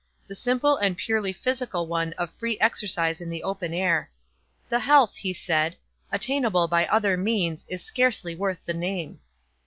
the simple and purely physical one of free exercise in the open air. "The health," he said, "attainable by other means is scarcely worth the name."